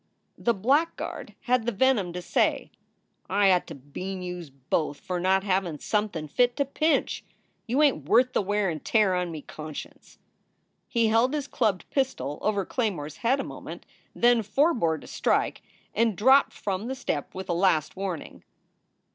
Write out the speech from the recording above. The blackguard had the venom to say: "I d ought to bean yous both for not havin* somethin fit to pinch. You ain t worth the wear and tear on me conscience." He held his clubbed pistol over Claymore s head a moment, then forbore to strike, and dropped from the step with a last warning.